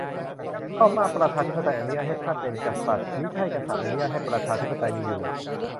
ชอบมาก " ประชาธิปไตยอนุญาตให้ท่านเป็นกษัติย์ มิใช่กษัติย์อนุญาตให้ประชาธิปไตยมีอยู่ "